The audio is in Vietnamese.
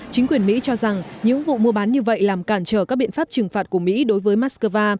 chính quyền mỹ cho rằng những vụ mua bán như vậy làm cản trở các biện pháp trừng phạt của mỹ đối với moscow